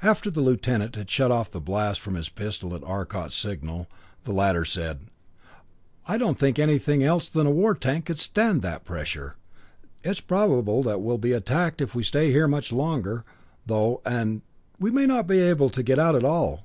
After the Lieutenant had shut off the blast from his pistol at Arcot's signal, the latter said: "I don't think anything less than a war tank could stand that pressure. It's probable that we'll be attacked if we stay here much longer, though and we may not be able to get out at all.